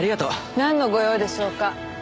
なんのご用でしょうか？